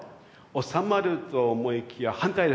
収まると思いきや反対です。